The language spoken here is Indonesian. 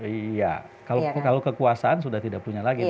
iya kalau kekuasaan sudah tidak punya lagi